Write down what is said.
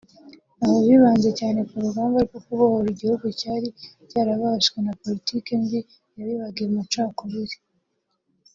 aho bibanze cyane ku rugamba rwo kubohora igihugu cyari cyarabaswe na politiki mbi yabibaga amacakubiri